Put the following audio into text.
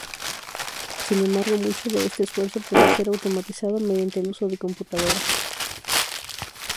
Sin embargo, mucho de este esfuerzo podía ser automatizado mediante el uso de computadoras.